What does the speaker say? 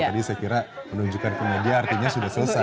tadi saya kira menunjukkan ke media artinya sudah selesai